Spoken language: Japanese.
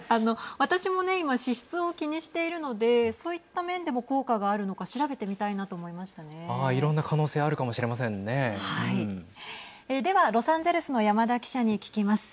私も今ね、脂質を気にしているのでそういった面でも効果があるのかいろんな可能性では、ロサンゼルスの山田記者に聞きます。